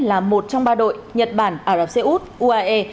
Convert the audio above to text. là một trong ba đội nhật bản ả rập xê út uae